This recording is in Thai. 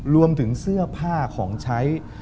รวมถึงเสื้อผ้าของใช้